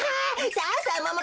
さあさあもも